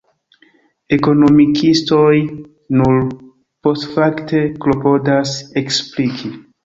Ekonomikistoj nur postfakte klopodas ekspliki.